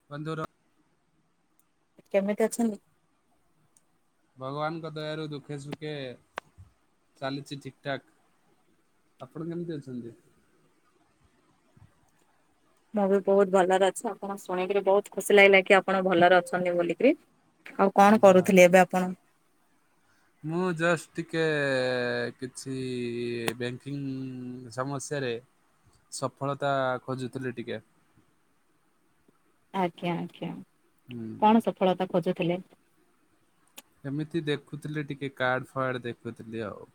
[inaudible] କେମିତି ଅଛନ୍ତି? ଭଗବାନଙ୍କ ଦୟାରୁ ଦୁଃଖେ ସୁଖେ ଚାଲିଛି ଠିକ ଠାକ୍। ଆପଣ କେମିତି ଅଛନ୍ତି? ମୁଁ ବି ବହୁତ ଭଲରେ ଅଛି। ଆପଣ ଶୁଣିକରି ବହୁତ ଖୁସି ଲାଗିଲା କି ଆପଣ ଭଲରେ ଅଛନ୍ତି ବୋଲିକିରି। ଆଉ କଣ ଯା କରୁଥିଲେ ଏବେ ଆପଣ? ମୁଁ ଜଷ୍ଟ ଟିକେ କିଛି ବ୍ୟାଙ୍କିଙ୍ଗ ସମସ୍ୟାରେ ସଫଳତା ଖୋଜୁଥିଲି ଟିକେ। ଆଜ୍ଞା ଆଜ୍ଞା ହୁଁ। କଣ ସଫଳତା ଖୋଜୁଥିଲେ। ଏମିତି ଦେଖୁଥିଲି ଟିକେ କାର୍ଡ ଫାର୍ଡ ଦେଖୁଥିଲି ଆଉ।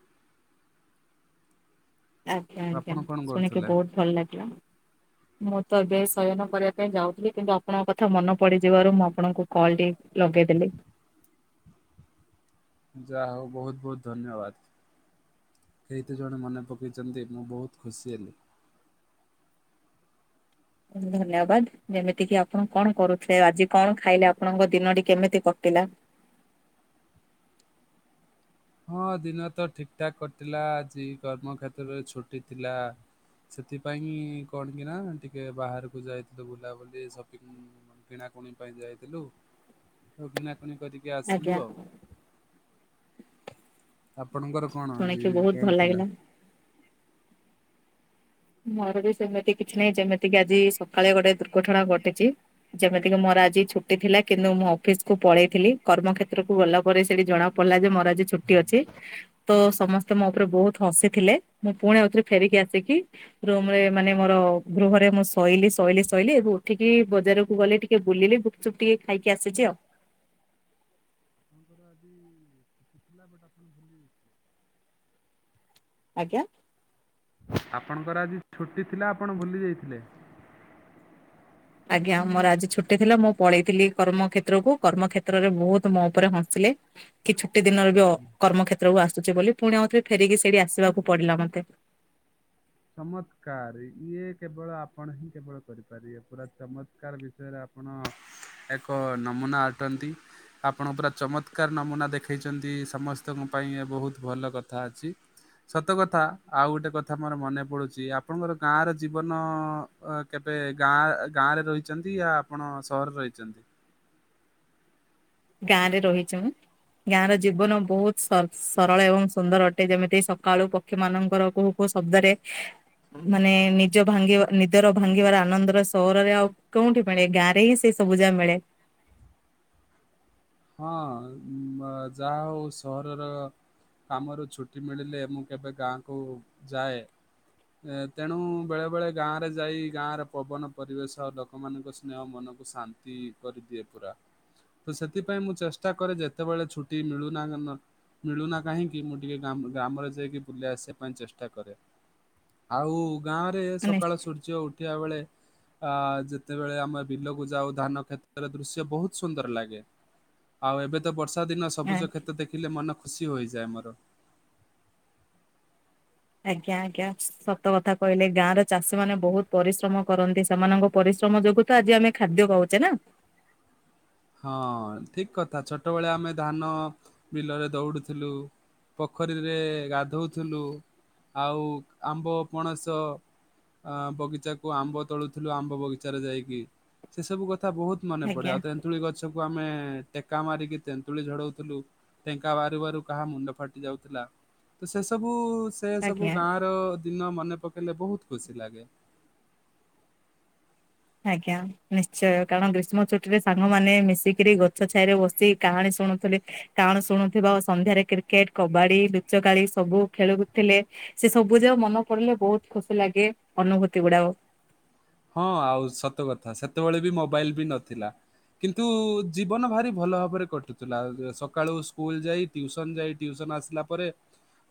ଆଜ୍ଞା ଆଜ୍ଞା ଆପଣ କଣ ଶୁଣିକି କରୁଥିଲେ? ବୋହୁତ ଭଲ ଲାଗିଲ। ମୁଁ ତ ଏବେ ଶୟନ କରିବା ପାଇଁ ଯାଉଥିଲି କିନ୍ତୁ ଆପଣଙ୍କ କଥା ମନେ ପଡିଯିବାରୁ ମୁଁ ଆପଣଙ୍କୁ କଲଟି ଲଗେଇଦେଲେ। ଯାହା ହୋଉ ବୋହୁତ ବୋହୁତ ଧନ୍ୟବାଦ। କେହିତ ଜଣେ ମନେ ପକାଇଛନ୍ତି ମୁଁ ବୋହୁତ ଖୁସି ହେଲି। ଧନ୍ୟବାଦ ଯେମିତିକି ଆପଣ କଣ କରୁଥିଲେ ଆଜି କଣ ଖାଇଲେ ଆପଣଙ୍କ ଦିନଟି କେମିତି କଟିଲା। ହଁ ଦିନ ତ ଠିକ୍ ଠାକ୍ କଟିଲା ଆଜି କର୍ମକ୍ଷେତ୍ରରେ ଛୁଟି ଥିଲା। ସେଥିପାଇଁ କଣ କି ନା ଟିକେ ବାହାରକୁ ଯାଇଥିଲୁ ବୁଲାବୁଲି ସପିଙ୍ଗ କିଣାକୁଣି ପାଇଁ ଯାଇଥିଲୁ କିଣାକଣି କରିକି ଆଜ୍ଞା ଆସିଲୁ ଆଉ। ଆପଣଙ୍କର କଣ ଆଜି ଶୁଣିକି ବହୁତ ଭଲ ଏନ ଥିଲା? ଲାଗିଲା। ମୋର ବି ସେମିତି କିଛି ନାହିଁ ଯେମିତି କି ଆଜି ସକାଳେ ଗୋଟେ ଦୁର୍ଘଟଣା ଘଟିଛି ଯେମିତି କିି ମୋର ଆଜି ଛୁଟି ଥିଲା କିନ୍ତୁ ମୁଁ ଅଫିସକୁୁ ପଳେଇଥିଲି କର୍ମକ୍ଷେତ୍ରକୁ ଗଲା ପରେ ସେଠି ଜଣା ପଡିଲା ଯେ ମ ଆଜି ଛୁଟି ଅଛି। ତ ସମସ୍ତେ ମୋ ଉପରେ ବୋହୁତ ହସି ଥିଲେ ମୁଁ ପୁଣି ଏଉଥିରେ ଫେରିକି ଆସିକି ରୁମ ରେ ମାନେ ମୋର ଗୃହରେ ମୁଁ ଶୋଇଲିି ଶୋଇଲିି ଶୋଇଲିି ଉଠିକି ବଜାରକୁ ଗଲି ଟିକେ ବୁଲିଲି ଚୁପଟିିକେ ଖାଇକି ଆସିଛି ଆଉ। ଆପଣଙ୍କର ଆଜି ଛଟି ଥିଲା ବଟ୍ ଆପଣ ଭୁଲି ଯାଇଥିଲେ। ଆଜ୍ଞା। ଆପଣଙ୍କର ଆଜି ଛୁଟି ଥିଲା ଆପଣ ଭୁଲି ଯାଇଥିଲେ। ଆଜ୍ଞା ମୋର ଆଜି ଛୁଟି ଥିଲା ମୁଁ ପଳେଇଥିଲି କର୍ମ କ୍ଷେତ୍ର କୁ କର୍ମକ୍ଷେତ୍ର ରେ ବୋହୁତ ମୋ ଉପରେ ହସିଲେ। କି ଛୁଟି ଦିନରେ ବି କର୍ମକ୍ଷେତ୍ର କୁ ଆସୁଛି ବୋଲି ପୁଣି ଆଉଥରେ ଫେରିକି ସେଇଠି ଆସିବାକୁ ପଡିଲ ମତେ। ଚମତ୍କାର ଇଏ କେବଳ ଆପଣ ହିଁ କେବଳ କରିପାରିବେ। ପୁରା ଚମତ୍କାର ବିଷୟରେ ଆପଣ ଏକ ନମୁନା ଅଟନ୍ତି। ଆପଣ ପୁରା ଚମତ୍କାର ନମୁନା ଦେଖେଇଛନ୍ତି ସମସ୍ତଙ୍କ ପାଇଁ ବୋହୁତ ଭଲ କଥା ଅଛି। ସତ କଥା ଆଉ ଗୋଟେ କଥା ମୋର ମନେ ପୁଡୁଚି ଆପଣଙ୍କର ଗାଁ ର ଜୀବନ କେବେ ଗାଁ ଗାଁରେ ରହିଛନ୍ତି ଆ ଆପଣ ସହରକୁ ଆଇଚନ୍ତି। ଗାଁ ରେ ରହିଚି ମୁଁ।। ଗାଁ ର ଜୀବନ ବୋହୁତ ସ ସରଳ ଏବଂ ସୁନ୍ଦର ଅଟେ ଯେମିତି ସକାଳୁ ପକ୍ଷି ମାନଙ୍କର କୁହୁ କୁହୁ ଶବ୍ଦରେ ମାନେ ନିଜ ଭାଙ୍ଗିବା ନିଦର ଭାଙ୍ଗିବାର ଆନନ୍ଦର ସରରେ ଆଉ କୋଁଉଠି ମିଳେ ଗାଁରେ ହିଁ ସେ ସବୁ ଯା ମିଳେ। ହଁ ବ ଯାହା ହୋଉ ସହରର କାମରୁ ଛୁଟି ମିଳିଲେ ମୁଁ କେବେ ଗାଁ କୁ ଯାଏ। ତେଣୁ ବେଳେ ବେଳେ ଗାଁ ରେ ଯାଇ ଗାଁରେ ପବନ ପରିବେଶ ଲକ୍ ଲୋକ ମାନଙ୍କ ସ୍ନେହ ମନକୁ ଶାନ୍ତି କରିଦିଏ ପୁରା ତ ସେ ସେଥିପାଇଁ ମୁଁ ଚେଷ୍ଟା କରେ ଯେତେବେଳେ ଛୁଟି ମିଳୁନା ନା ମିଳୁନା କାହିଁକି ମୁଁ ଟିକେଏ ଗା ଗ୍ରାମରେ ଯାଇକି ବୁଲି ଆସିବା ପାଇଁ ଚେଷ୍ଟା କରେ। ଆଉ ଗାଁ ରେ ସକାଳ ସୂର୍ଯ୍ୟ ଉଠିବା ବେଳେ ଆ ଯେତେବେଳେ ଆମେ ବିଲକୁ ଯାଉ ଧାନ କ୍ଷେତ୍ରର ଦୃଶ୍ୟ ବୋହୁତ ସୁନ୍ଦର ଲାଗେ। ଆଉ ଏବେ ତ ବର୍ଷା ଦିନ ମାନେ ସବୁଜ କ୍ଷେତ ଦେଖିଲେ ମନ ଖୁସି ହୋଇଯାଏ ମୋର ଆଜ୍ଞା ଆଜ୍ଞା ସତ କଥା କହିଲେ ଗାଁ ର ଚାଷୀ ମାନ ବହୁତ ପରିଶ୍ରମ କରନ୍ତି ସେମାନଙ୍କ ପରିଶ୍ରମ ଯୋଗୁ ତ ଆଜି ଆମେ ଖାଦ୍ୟ ଖାଉଛେ ନା। ହଁ ଠିକ କଥା ଛୋଟବେଳେ ଆମେ ଧାନ ବିଲରେ ଦୌଡୁଥିଲୁ। ପୋଖରୀରେ ଗାଧଉଥିଲୁ ଆଉ ଆମ୍ବ, ପଣସ ଅ ବଗିଚାକୁ ଆମ୍ବ ତଳୁଥିଲୁ ଆମ୍ବ ବଗିଚାରେ ଯାଇକି ସେସବୁ କଥା ବହୁତ ମନେ ପଡେ ଆଜ୍ଞା ଆଉ ତେନ୍ତୁଳି ଗଛକୁ ଆମେ ଟେକା ମାରିକି ତେନ୍ତୁଳି ଝଡଉଥିଲୁ। ଟେକା ବାରୁ ବାରୁ କାହା ମୁଣ୍ଡ ଫାଟି ଯାଉଥିଲା ତ ସେ ସବୁ ସେ ସବୁ ଆଜ୍ଞା ଗାଁ ର ଦିନ ମନେ ପକେଇଲେ ବହୁତ ଖୁସି ଲାଗେ। ଆଜ୍ଞା ନିଶ୍ଚୟ କାରଣ ଗ୍ରୀଷ୍ମ ଛୁଟିରେ ସାଙ୍ଗମାନେ ମିଶିକିରି ଗଛ ଛାଇରେ ବସି କାହାଣୀ ଶୁଣୁଥିଲେ। କାରଣ ଶୁଣୁଥିବ ସନ୍ଧ୍ୟାରେ କ୍ରିକେଟ କବାଡି ଲୁଚକାଳି ସବୁ ଖେଳୁଥିଲେ। ସେ ସବୁ ଯା ମନ ପଡିଲେ ବହୁତ ଖୁସି ଲାଗେ ଅନୁଭୂତି ଗୁଡାକ ହଁ ଆଉ ସତ କଥା ସେତେବେଳେ ବି ମୋବାଇଲ ବି ନଥିଲା। କିନ୍ତୁ ଜୀବନ ଭାରି ଭଲ ଭାବରେ କଟୁଥିଲା ସକାଳୁ ସ୍କୁଲ ଯାଇ ଟିଉସନ ଯାଇ ଟିଉସନ ଆସିଲା ପରେ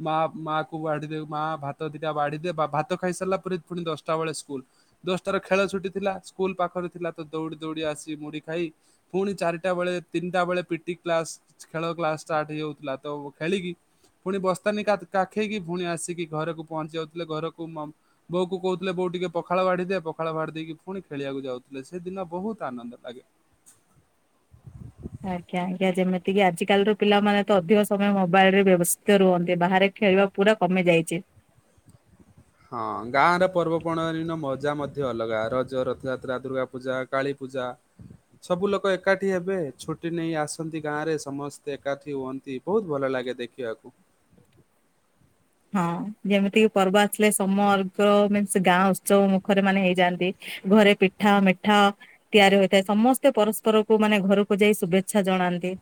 ମା ମା କୁ ବାଢିଦ ମା ଭାତ ଦିଟା ବାଢିଦ ଭାତ ଖାଇସାରିଲା ପରେ ପୁଣି ଦଶଟା ବେଳେ ସ୍କୁଲ ଦଶଟାର ଖେଳ ଛୁଟି ଥିଲା ସ୍କୁଲ ପାଖରେ ଥିଲା ତ ଦୌଡ଼ି ଦୌଡ଼ି ଆସି ମୁଢ଼ି ଖାଇ ପୁଣି ଚାରିଟା ବେଳେ ତିନିଟା ବେଳେ ପିଟି କ୍ଲାସ ଖେଳ କ୍ଲାସ ଷ୍ଟାର୍ଟ ହେଇଯାଉଥିଲା ତ ଖେଳିକି ପୁଣି ବସ୍ତାନି କାଖେ କାଖେଇକି ପୁଣି ଆସିକି ଘରକୁ ପହଞ୍ଚି ଯାଉଥିଲେ ଘରକୁ ମ ବୋଉ କହୁଥିଲେ ବୋଉ ଟିକେ ପଖାଳ ବାଢ଼ୀ ପଖାଳ ଫାଦେଇକି ପୁଣି ଖେଳିବାକୁ ଯାଉଥିଲେ ସେ ଦିନ ବହୁତ ଆନନ୍ଦ ଲାଗେ। ଆଜ୍ଞା ଆଜ୍ଞା ଯେମିତିକି ଆଜିକାଲି ର ପିଲାମାନେ ତ ଅଧିକ ସମୟ ମୋବାଇଲ ରେ ବ୍ୟବସ୍ଥିତ ରୁହନ୍ତି ବାହାରେ ଖେଳିବା ପୁରା କମି ଯାଇଛି। ହଁ ଗାଁରେ ପର୍ବପର୍ବାଣିନ ମଜା ମଧ୍ୟ ଅଲଗା ରଜ, ରଥଯାତ୍ରା, ଦୁର୍ଗା ପୂଜା, କାଳୀ ପୂଜା ସବୁ ଲୋକ ଏକାଠି ହେବେ ଛୁଟି ନେଇ ଆସନ୍ତି ଗାଁ ରେ ସମସ୍ତେ ଏକାଠି ହୁଅନ୍ତି। ବହୁତ ଭଲ ଲାଗେ ଦେଖିବାକୁ। ହଁ ଯେମିତିକି ପର୍ବ ଆସିଲେ ସମୋର୍ଗନ୍ସ ଗାଁ ଉତ୍ସବ ମୁଖରେ ମାନେ ହେଇଯାଆନ୍ତି। ଘରେ ପିଠା ମିଠା ତିଆରି ହୋଇଥାଏ ସମସ୍ତେ ପରସ୍ପରକୁ ମାନେ ଘରକୁ ଯାଇ ଶୁଭେଚ୍ଛା ଜଣାନ୍ତି।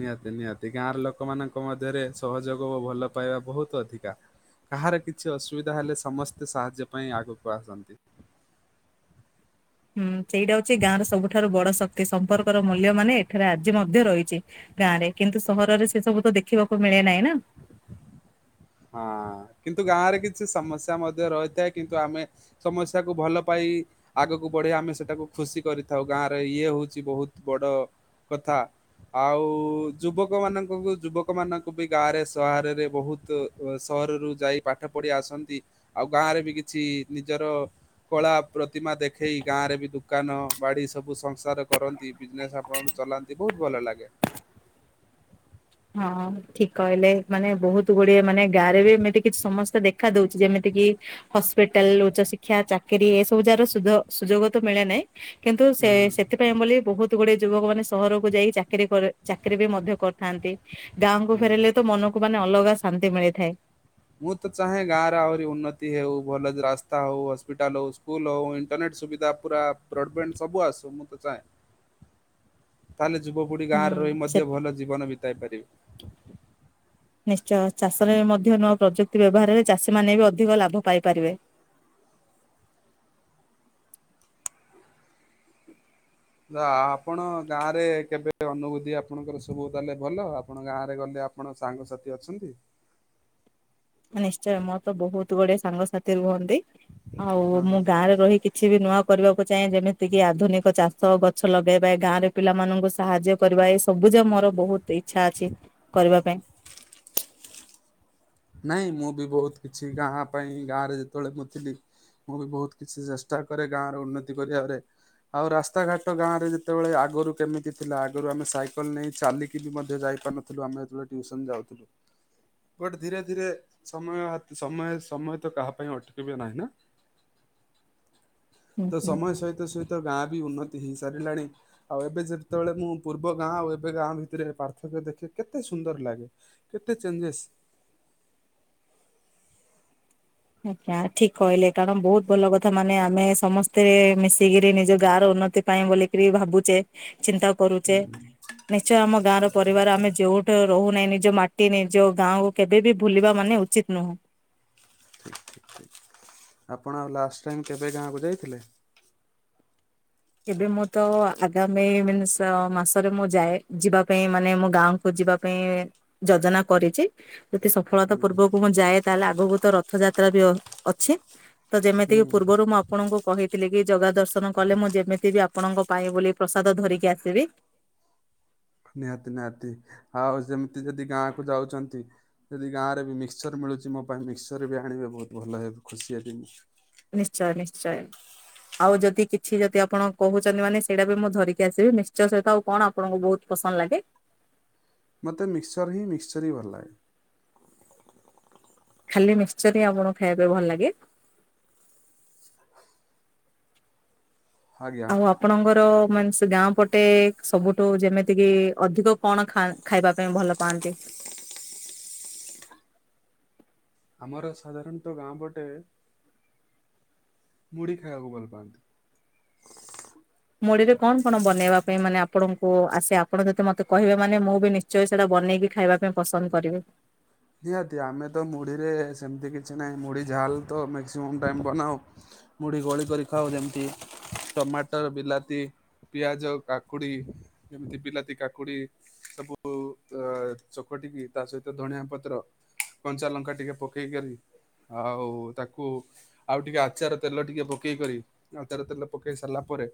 ନିହାତି ନିହାତି ଗାଁର ଲୋକମାନଙ୍କ ମଧ୍ୟରେ ସହଯୋଗ ଓ ଭଲ ପାଇବା ବହୁତ ଅଧିକା। କାହାର କିଛି ଅସୁବିଧା ହେଲେ ସମସ୍ତେ ସାହାଯ୍ୟ ପାଇଁ ଆଗକୁ ଆସନ୍ତି। ହୁଁ ସେଇଟା ହଉଛି ଗାଁ ର ସବୁଠାରୁ ବଡ ଶକ୍ତି ସମ୍ପର୍କର ମୂଲ୍ୟ ମାନେ ଏଠାରେ ଆ ମଧ୍ୟ ରହିଛି ଗାଁ ରେ କିନ୍ତୁ ସହରରେ ସେ ସବୁ ତ ଦେଖିବାକୁ ମିଳେ ନାହିଁ ନା। ହଁ କିନ୍ତୁ ଗାଁ ରେ କିଛି ସମସ୍ୟା ମଧ୍ୟ ରହିଥାଏ କିନ୍ତୁ ଆମେ ସମସ୍ୟାକୁୁ ଭଲ ପାଇ ଆଗକୁ ବଢି ଆମେ ସେଟାକୁ ଖୁସି କରିଥାଉ ଗାଁରେ ଇଏ ହଉଛି ବହୁତ ବଡ କଥା। ଆଉ ଯୁବକ ମାନଙ୍କୁ ଯୁବକ ମାନଙ୍କୁ ବି ଗାଁରେ ସହରରେ ବହୁତ ସହରରୁ ଯାଇ ପାଠ ପଢି ଆସନ୍ତି ଆଉ ଗାଁରେ ବି କିଛି ନିଜର କଳା ପ୍ରତିମା ଦେଖେଇ ଗାଁ ରେ ବି ଦୋକାନ ବାଡ଼ି ସବୁ ସଂସାର କରନ୍ତି। ବିଜନେସ୍ ଆପଣଙ୍କୁ ଚଲାନ୍ତି ବହୁତ ଭଲ ଲାଗେ। ହଁ ଠିକ୍ କହିଲେ ମାନେ ବହୁତ ଗୁଡିଏ ମାନେ ଗାଁରେ ବି ଏମିତି କିଛି ସମସ୍ତେ ଦେଖା ଦଉଛି ଯେମିତି କି ହସ୍ପିଟାଲ ଉଚ୍ଚଶିକ୍ଷା ଚାକିରୀ ଏସବୁ ଯାହାର ସୁଯ ସୁଯୋଗ ତ ମିଳେ ନାଇଁ। କିନ୍ତୁ ସେ ହଁ ସେଥି ପାଇଁ ବୋଲି ବହୁତ ଗୁଡଏ ଯୁବକ ମାନେ ସହରକୁ ଯାଇ ଚାକିରି ଚାକିରି ବି ମଧ୍ୟ କରିଥାନ୍ତି। ଗାଁ କୁ ହଁ। ଫେରିଲେ ତ ମନକୁ ମାନେ ଅଲଗା ଶାନ୍ତି ମିଳିଥାଏ। ମୁଁ ତ ଚାହେଁ ଗାଁରେ ଆହୁରି ଉନ୍ନତି ହଉ ଭଲ ରାସ୍ତା ହଉ, ହସ୍ପିଟାଲ୍ ହଉ, ସ୍କୁଲ ହଉ, ଇଣ୍ଟରନେଟ୍ ସୁବିଧା ପୁରା [unintelligible] ସବୁ ଆସୁ ମୁଁ ତ ଚାହେଁ। ତାହେଲେ ଯୁବପିଢ଼ି ହୁଁ ଗାଁରେ ରହି ସେ ମଧ୍ୟ ଭଲ ଜୀବନ ବିତାଇ ପାରିବେ। ନିଶ୍ଚୟ ଚାଷରେ ମଧ୍ୟ ନୂଆ ପ୍ରଯୁକ୍ତି ବ୍ୟବହାରରେ ଚାଷୀମାନେ ବି ଅଧିକ ଲାଭ ପାଇପାରିବେ। ଆପଣ ଗାଁ ରେ କେବେ ଅନୁଭୂତି ଆପଣଙ୍କର ସବୁ ତାହେଲେ ଭଲ ଆପଣ ଗାଁ ରେ ଗଲେ ଆ ଆପଣ ସାଙ୍ଗସାଥି ଅଛନ୍ତି? ନିଶ୍ଚୟ ମୋର ତ ବହୁତ୍ ଗୁଡ଼ିଏ ସାଙ୍ଗସାଥି ରୁହନ୍ତି ଆଉ ହଁ ମୁଁ ହଁ ଗାଁରେ ରହି କିଛି ବି ନୂଆ କରିବାକୁ ଚାହେଁ ଯେମିତି କିି ଆଧୁନିକ ଚାଷ ଗଛ ଲଗେଇବା ଗାଁରେ ପିଲାମାନଙ୍କୁ ସାହାଯ୍ୟ କରିବା ଏ ସବୁ ଯେ ମୋର ବହୁତ୍ ଇଚ୍ଛା ଅଛି କରିବା ପାଇଁ। ନାଇଁ ମୁଁ ବି ବହୁତ୍ କିଛି ଗାଁ ପାଇଁ ଗାଁ ରେ ଯେତେବେଳେ ମୁଁ ଥିଲି ମୁଁ ବି ବହୁତ୍ କିଛି ଚେଷ୍ଟା କରେ ଗାଁ ର ଉନ୍ନତି କରିବାରେ। ଆଉ ରାସ୍ତାଘାଟ ଗାଁ ରେ ଯେତେବେଳେ ଆଗରୁ କେମିତି ଥିଲା ଆଗରୁ ଆମେ ସାଇକେଲ ନେଇ ଚାଲିକି ବି ମଧ୍ୟ ଯାଇପାରୁୁ। ଥିଲୁ ଆମେ ଯେତେବେଳେ ଟ୍ୟୁସନ୍ ଯାଉଥିଲୁ। ବଟ ଧୀରେ ଧୀରେ ସମୟ ସମୟ ସମୟ ତ କାହା ପାଇଁ ଅଟକିବେ ନାହିଁ ନା। ହୁଁ ତ ହୁଁ। ସମୟ ସହିତ ସହିତ ଗାଁ ବି ଉନ୍ନତି ହେଇସାରିଲାଣି। ଆଉ ଏବେ ଯେତେବେଳେ ମୁଁ ପୂର୍ବ ଗାଁ ଆଉ ଏବେ ଗାଁ ଭିତରେ ପାର୍ଥକ୍ୟ ଦେଖେ କେତେ ସୁନ୍ଦର ଲାଗେ। କେତେ ଚେଞ୍ଜେସ୍। ଆ ଠିକ୍ କହିଲେ କାରଣ ବହୁତ୍ ଭଲ କଥା ମାନେ ଆମେ ସମସ୍ତେ ମିଶିକିରି ନିଜ ଗାଁ ର ଉନ୍ନତି ପାଇଁ ବୋଲିକିରି ଭାବୁଛେ ଚିନ୍ତା କରୁଛେ। ନିଶ୍ଚୟ ଆମ ଗାଁ ର ପରିବାର ଆମେ ଯୋଉଠୁ ରହୁନାହିଁ ନିଜ ମାଟି ନିଜ ଗାଁକୁ କେବେବି ଭୁଲିବା ମାନେ ଉଚିତ୍ ନୁହୁଁ। ଠିକ୍ ଠିକ୍ ଠିକ୍ ଆପଣ ଆଉ ଲାଷ୍ଟ୍ ଟାଇମ୍ କେବେ ଗାଁକୁ ଯାଇଥିଲେ? ଏବେ ମୁଁ ତ ଆଗାମୀ [unintelligible] ମାସରେ ମୁଁ ଯାଏ ଯିବା ପାଇଁ ମାନେ ମୁଁ ଗାଁକୁ ଯିବାକୁ ପାଇଁ ଯୋଜନା କରିଛି। ଯଦି ସଫଳତା ପୂର୍ବକ ମୁଁ ଯାଏ ତାହେଲେ ଆଗକୁ ତ ରଥଯାତ୍ରା ବି ଅଛି। ତ ହୁଁ ଯେମିତିକି ପୂର୍ବରୁ ମୁଁ ଆପଣଙ୍କୁ କହିଥିଲି କି ଜଗା ଦର୍ଶନ କଲେ ମୁଁ ଯେ ଏମିତି ବି ଆପଣଙ୍କ ପାଇଁ ବୋଲି ପ୍ରସାଦ ଧରିକି ଆସିବି। ନିହାତି ନିହାତି ଆଉ ସେମିତି ଯଦି ଗାଁ କୁ ଯାଉଛନ୍ତି। ଯଦି ଗାଁରେ ବି ମିକ୍ସଚର ମିଳୁଛି ମୋ ପାଇଁ ମିକ୍ସଚର ବି ଆଣିବେ ବହୁତ୍ ଭଲ ହେବେ ଖୁସି ହେବି ମୁଁ। ନିଶ୍ଚୟ ନିଶ୍ଚୟ। ଆଉ ଯଦି କିଛି ଯଦି ଆପଣ କହୁଛନ୍ତି ମାନେ ସେଇଟା ବି ମୁଁ ଧରିକି ଆସିବି ନିଶ୍ଚୟ ସହିତ ଆଉ କଣ ଆପଣଙ୍କୁ ବହୁତ୍ ପସନ୍ଦ ଲାଗେ। ମୋତେ ମିକ୍ସଚର୍ ହିଁ ମିକ୍ସଚର୍ ହିଁ ଭଲ ଲାଗେ। ଖାଲି ମିକ୍ସଚର୍ ହିଁ ଆପଣ ଖାଇବା ପାଇଁ ଭଲ ଲାଗେ? ଆଜ୍ଞା। ଆଉ ଆପଣଙ୍କର ମାନେ ସେ ଗାଁ ପଟେ ସବୁଠୁ ଯେମିତି କି ଅଧିକ କଣ ଖାଆନ୍ତି? ଖାଇବା ପାଇଁ ଭଲ ପାଆନ୍ତି। ଆମର ସାଧାରଣତଃ ଗାଁ ପଟେ ମୁଢ଼ି ଖାଇବାକୁ ଭଲ ପାଆନ୍ତି। ମୁଢ଼ି ରେ କଣ କଣ ବନେଇବା ପାଇଁ ମାନେ ଆପଣଙ୍କୁ ଆସେ ଆପଣ ଯଦି ମତେ କହିବେ ମାନେ ମୁଁ ବି ନି ନିଶ୍ଚୟ ସେଇଟା ବନେଇକି ଖାଇବା ପାଇଁ ପସନ୍ଦ କରିବେ। ନିହାତି ଆମେ ତ ମୁଢ଼ିରେ ସେମିତି କିଛି ନାହିଁ ମୁଢ଼ି ଝାଲ ତ ମ୍ୟାକ୍ସିମମ୍ ଟାଇମ୍ ବନାଉ। ମୁଢ଼ି ଗୋଳି କରି ଖାଉ ଯେମିତି ଟମାଟର ବିଲାତି ପିଆଜ, କାକୁଡ଼ି, ଯେମିତି ବିଲାତି କାକୁଡ଼ି। ସବୁ ଅ ଚକଟିକି ତା ସହିତ ଧଣିଆ ପ ପ୍ର କଞ୍ଚା ଲଙ୍କା ଟିକେ ପକେଇ କରି ଆଉ ତାକୁ ଆଉ ଟିକେ ଆଚାର ତେଲ ଟିକେ ପକେଇ କରି ଆଚାର ତେଲ ପକେଇ ସାରିଲା ପରେ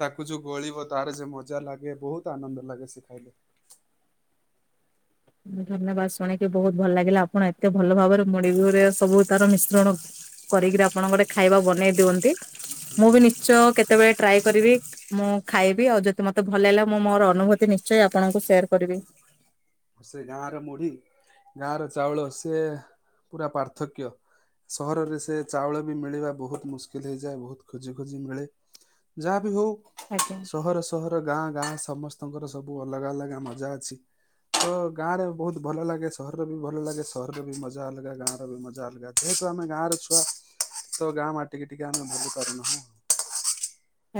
ତାକୁ ଯୋଉ ଗୋଳିବ ତାର ଯୋଉ ମଜା ଲାଗେ ବହୁତ ଆନନ୍ଦ ଲାଗେ ସେ ଖାଇଲେ। ଧନ୍ୟବାଦ ଶୁଣିକି ବହୁତ ଭଲ ଲାଗିଲା ଆପଣ ଏତେ ଭଲ ଭାବରେ ମୁଢି ବି ରେ ସବୁ ତାର ମିଶ୍ରଣ କରିକିରି ଆପଣଙ୍କ ଗୋଟେ ଖାଇବା ବନେଇ ଦିଅନ୍ତି ମୁଁ ବି ନିଶ୍ଚୟ କେ କେତେବେଳେ ଟ୍ରାଏ କରିବି। ମୁଁ ଖାଇବି ଆଉ ଯଦି ମତେ ଭଲ ଲାଗିଲା ମୁଁ ମୋର ଅନୁଭୂତି ନିଶ୍ଚୟ ଆପଣଙ୍କୁ ସେୟାର କରିବି। ସେ ଗାଁ ର ମୁଢି ଗାଁ ର ଚାଉଳ ସେ ପୁରା ପାର୍ଥକ୍ୟ। ସହରରେ ସେ ଚାଉଳ ବି ମିଳିବା ବହୁତ ମୁସ୍କିଲ ହେଇଯାଏ ବହୁତ ଖୋଜି ଖୋଜି ମିଳେ। ଯାହା ବି ହଉ ଆଜ୍ଞା। ସହର ସହର ଗାଁ ଗାଁ ସମସ୍ତଙ୍କର ସବୁ ଅଲଗା ଅଲଗା ମଜା ଅଛି। ତ ଗାଁ ରେ ବହୁତ ଭଲ ଲାଗେ ସହରର ବି ଭଲ ଲାଗେ ସହରରେ ବି ମଜା ଅଲଗା ଗାଁ ର ବି ମଜା ଅଲଗା। ଯେହେତୁ ଆମେ ଗାଁ ର ଛୁଆ ତ ଗାଁ ମାଟିକି ଟିକେ ଆମେ ଭୁଲି ପାରୁନାହୁଁ।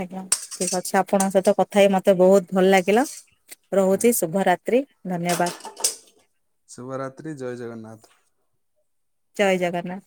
ଆଜ୍ଞା ଠିକ ଅଛି ଆପଣଙ୍କ ସହିତ କଥା ହେଇ ମତେ ବହୁତ ଭଲ ଲାଗିଲ। ରହୁଚି ଆଜ୍ଞା ଶୁଭରାତ୍ରି ଧନ୍ୟବାଦ। ଶୁଭରାତ୍ରି ଜୟ ଜଗନ୍ନାଥ। ଜୟ ଜଗନ୍ନାଥ।